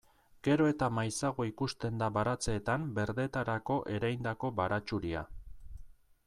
Gero eta maizago ikusten da baratzeetan berdetarako ereindako baratxuria.